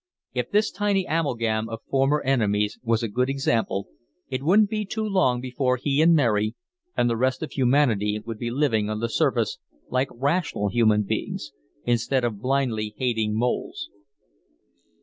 If this tiny amalgam of former enemies was a good example, it wouldn't be too long before he and Mary and the rest of humanity would be living on the surface like rational human beings instead of blindly hating moles.